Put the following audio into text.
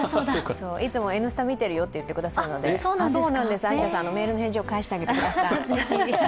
いつも「Ｎスタ」見てるよって言ってくださるので有田さんのメールの返事を返してあげてください。